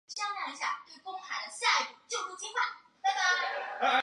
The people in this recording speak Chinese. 这是我想要说的吗